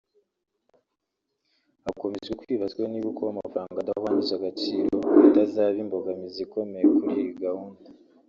hakomeje kwibazwa niba ukuba amafaranga adahwanyije agaciro bitazaba imbogamizi ikomeye kuri iyo gahunda